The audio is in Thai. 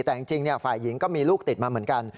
แต่จริงฝ่ายหญิงก็มีลูกติดมาเหมือนกัน